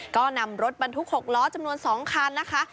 ก็นำรถบรรทุก๖ล้อจำนวน๒คันนะคะ